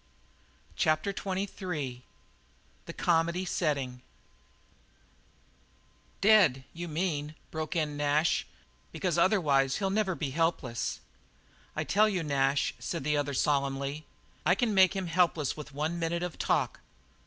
CHAPTER XXIII THE COMEDY SETTING "Dead, you mean," broke in Nash, "because otherwise he'll never be helpless." "I tell you, Nash," said the other solemnly, "I can make him helpless with one minute of talk.